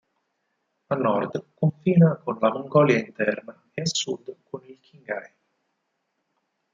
A nord confina con la Mongolia Interna e a sud con il Qinghai.